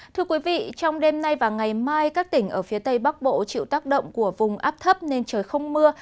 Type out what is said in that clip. thưa quý vị trong đêm nay và ngày mai các tỉnh ở phía tây bắc bộ chịu tác động của vùng áp thấp nên trời không mưa